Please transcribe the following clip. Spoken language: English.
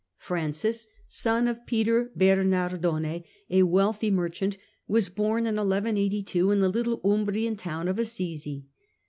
Francis, son of Peter Bernardone, a wealthy merchant, was born in 1 182 in the little Umbrian town of Assisi.